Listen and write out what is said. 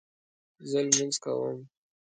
زه لمونځ کوم